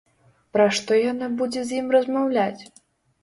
Пра што яна будзе з ім размаўляць?